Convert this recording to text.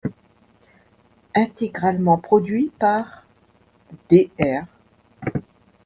Intégralement produit par Dr.